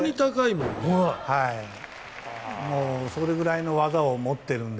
もうそれぐらいの技を持っているんで。